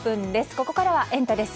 ここからはエンタ！です。